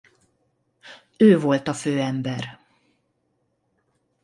Ő volt a főember.